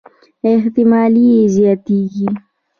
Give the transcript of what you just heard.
احتمالي یې زياتېږي.